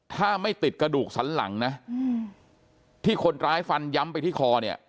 ถ้าไม่ติดกระดูกสันหลังนะที่คนร้ายฟันย้ำไปที่คอเนี่ย